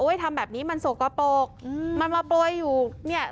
โอ้ยทำแบบนี้มันโสกกระโปรกมันมาโปรยอยู่เนี้ย